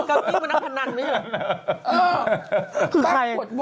เกาจิ้งมันนักธนันไม่ใช่เหรอ